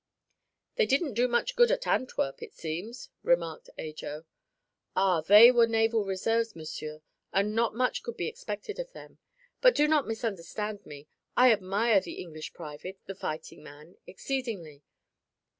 "They didn't do much good at Antwerp, it seems," remarked Ajo. "Ah, they were naval reserves, monsieur, and not much could be expected of them. But do not misunderstand me; I admire the English private the fighting man exceedingly.